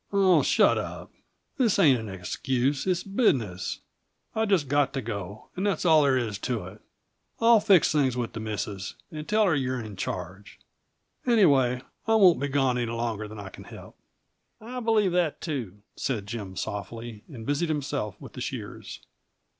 "Oh, shut up. This ain't an excuse it's business. I've just got to go, and that's all there is to it. I'll fix things with the missus, and tell her you're in charge. Anyway, I won't be gone any longer than I can help." "I believe that, too," said Jim softly, and busied himself with the shears.